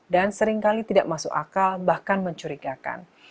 dan seringkali tidak masuk akal bahkan mencurigakan